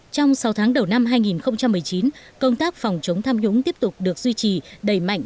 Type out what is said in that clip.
trong sáu tháng đầu năm hai nghìn một mươi chín công tác phòng chống tham nhũng tiếp tục được duy trì đẩy mạnh